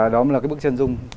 đó là cái bức chân dung